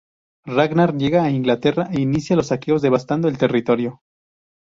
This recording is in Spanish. Ragnar llega a Inglaterra e inicia los saqueos devastando el territorio.